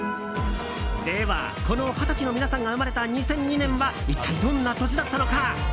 では、この二十歳の皆さんが生まれた２００２年は一体どんな年だったのか。